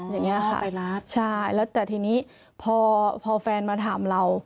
อย่างนี้ค่ะไปรับใช่แล้วแต่ทีนี้พอพอแฟนมาถามเรา